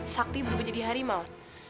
sakti berubah jadi harimau